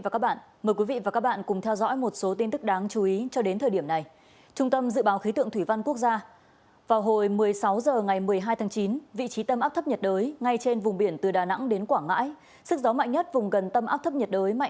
các bạn hãy đăng ký kênh để ủng hộ kênh của chúng mình nhé